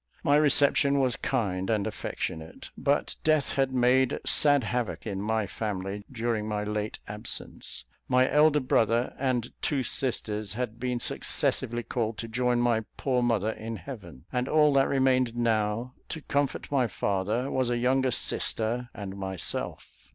My reception was kind and affectionate; but death had made sad havoc in my family during my late absence. My elder brother and two sisters had been successively called to join my poor mother in heaven, and all that remained now to comfort my father was a younger sister and myself.